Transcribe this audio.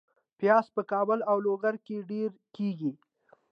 پیاز په کابل او لوګر کې ډیر کیږي